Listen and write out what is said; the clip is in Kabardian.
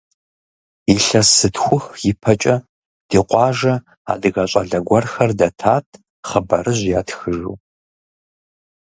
Илъэс зытхух и пэкӏэ, ди къуажэ адыгэ щӏалэ гуэрхэр дэтат хъыбарыжь ятхыжу.